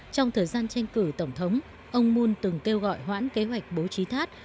trong thời gian tranh cử tổng thống ông moon từng kêu gọi hoãn kế hoạch bố trí thắt